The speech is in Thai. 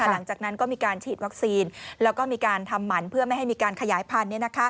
แล้วก็เฉียดวัคซีนและเอิดหมั่นเพื่อไม่ให้มีการขยายพันตร์